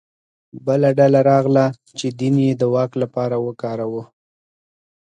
بله ډله راغله چې دین یې د واک لپاره وکاروه